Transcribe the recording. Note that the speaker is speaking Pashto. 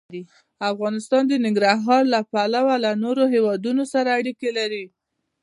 افغانستان د ننګرهار له پلوه له نورو هېوادونو سره اړیکې لري.